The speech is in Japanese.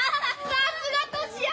さっすがトシヤ！